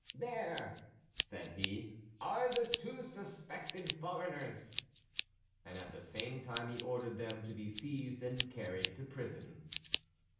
"There," said he, "are the two suspected foreigners," and at the same time he ordered them to be seized and carried to prison.